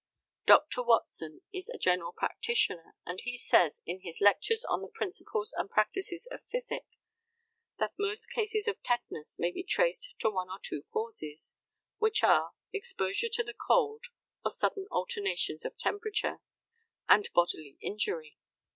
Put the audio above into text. Dr. Watson is a general practitioner, and he says in his Lectures on the Principles and Practice of Physic, that most cases of tetanus may be traced to one of two causes which are, exposure to the cold or sudden alternations of temperature, and bodily injury.